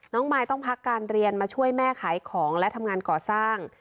มายต้องพักการเรียนมาช่วยแม่ขายของและทำงานก่อสร้าง